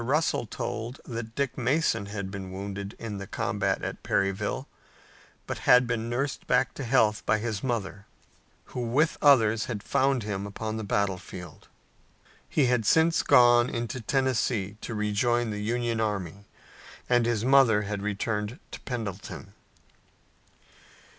Russell told that Dick Mason had been wounded in the combat at Perryville, but had been nursed back to health by his mother, who with others had found him upon the field. He had since gone into Tennessee to rejoin the Union army, and his mother had returned to Pendleton.